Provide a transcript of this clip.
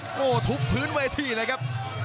โอ้โหทุบพื้นเวทีเลยครับ